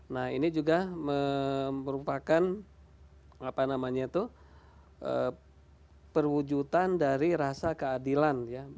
nah ini juga merupakan perwujudan dari rasa keadilan